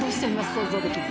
想像できず。